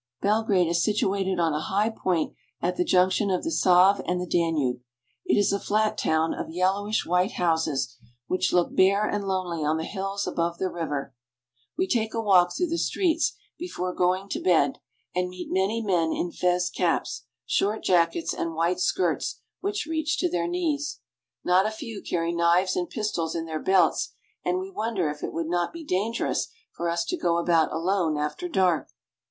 Belgrade is situated on a high point at the junction of the Save and the Danube. It is a flat town of yellowish white houses, which look bare and lonely on the hills above the river. We take a walk through the streets CARP. EUROPE — 19 306 SERVIA, BULGARIA, AND ROUMANIA. before going to bed, and meet many men in fez caps, short jackets, and white skirts which reach to their knees. Not a few carry knives and pistols in their belts, and we wonder if it would not be dangerous for us to go about "We stay over night at Belgrade." alone after dark.